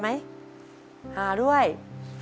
สวัสดีครับน้องเล่จากจังหวัดพิจิตรครับ